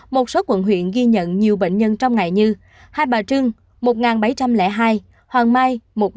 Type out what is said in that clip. một số quận huyện ghi nhận nhiều bệnh nhân trong ngày như hai bà trương một bảy trăm linh hai hoàng mai